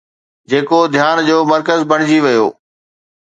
جيڪو ڌيان جو مرڪز بڻجي ويو